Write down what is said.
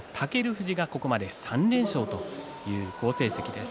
富士がここまで３連勝と好成績です。